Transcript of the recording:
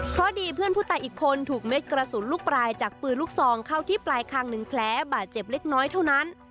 เพราะดีเพื่อนผู้ตายอีกคนถูกเม็ดกระสุนลูกปลายจากปืนลูกซองเข้าที่ปลายคาง๑แผลบาดเจ็บเล็กน้อยเท่านั้น